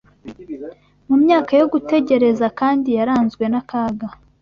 Mu myaka yo gutegereza kandi yaranzwe n’akaga